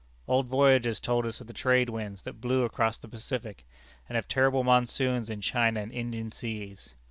Old voyagers told us of the trade winds that blew across the Pacific, and of terrible monsoons in China and Indian seas.